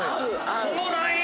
そのライン。